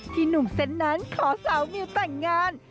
หนุ่มเซนต์นั้นขอสาวมิวแต่งงาน